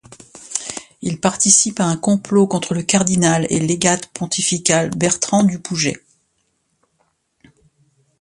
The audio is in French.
Il participe à un complot contre le cardinal et légat pontifical Bertrand du Pouget.